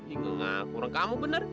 ini mengaku orang kamu benar